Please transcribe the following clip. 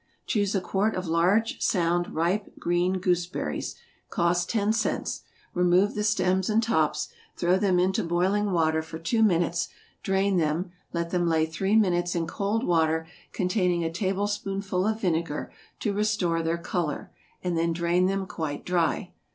= Choose a quart of large, sound, ripe, green gooseberries, (cost ten cents,) remove the stems and tops, throw them into boiling water for two minutes; drain them, let them lay three minutes in cold water containing a tablespoonful of vinegar, to restore their color, and then drain them quite dry.